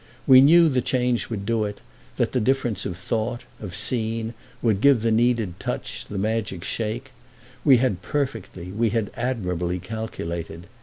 We knew the change would do it—that the difference of thought, of scene, would give the needed touch, the magic shake. We had perfectly, we had admirably calculated.